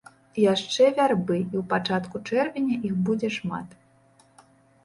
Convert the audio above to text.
Яшчэ вярбы, і ў пачатку чэрвеня іх будзе шмат.